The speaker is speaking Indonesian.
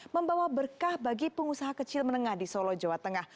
membawa berkah bagi pengusaha kecil menengah di solo jawa tengah